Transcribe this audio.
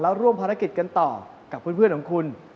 แล้วร่วมภารกิจกันต่อกับเพื่อนของคุณ